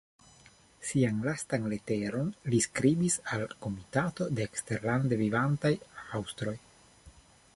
Sian lastan leteron li skribis al la Komitato de Eksterlande Vivantaj Aŭstroj.